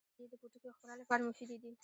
• شیدې د پوټکي ښکلا لپاره مفیدې دي.